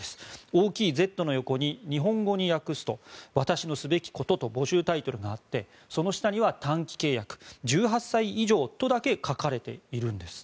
大きい「Ｚ」の横に日本語に訳すと「私のすべきこと」と募集タイトルがあってその下には短期契約１８歳以上とだけ書かれているんです。